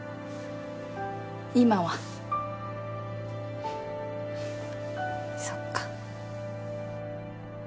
今はそっか・